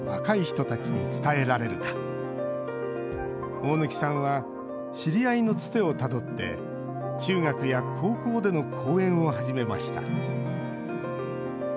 大貫さんは知り合いのつてをたどって中学や高校での講演を始めました。